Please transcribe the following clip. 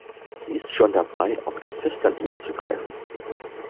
Sie ist schon dabei, auf das Festland überzugreifen.